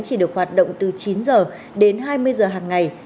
chỉ được hoạt động từ chín h đến hai mươi h hàng ngày